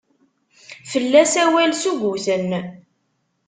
Fell-as awal suguten.